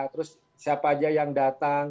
terus siapa aja yang datang